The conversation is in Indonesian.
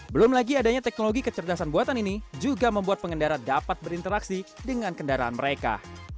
belum lagi adanya teknologi kecerdasan buatan ini juga membuat pengendara dapat berinteraksi dengan kendaraan mereka